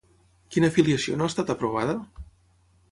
Quina filiació no ha estat aprovada?